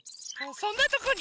そんなとこに。